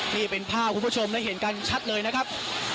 นี่เป็นภาพคุณผู้ชมได้เห็นกันชัดเลยนะครับ